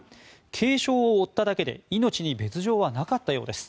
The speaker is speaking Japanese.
軽傷を負っただけで命に別条はなかったようです。